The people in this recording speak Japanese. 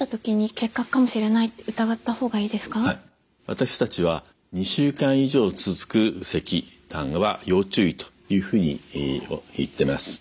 私たちは２週間以上続くせきたんは要注意というふうに言ってます。